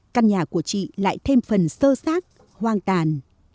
căn nhà của chị lại thêm phần sơ sát hoang tàn